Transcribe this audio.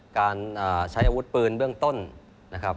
การใช้อาวุธปืนเบื้องต้นนะครับ